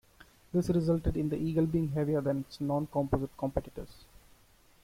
This resulted in the Eagle being heavier than its non-composite competitors.